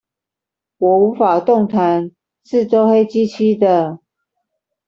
我無法動彈，四周黑漆漆的